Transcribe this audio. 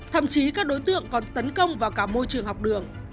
thậm chí các đối tượng còn tấn công vào cả môi trường học đường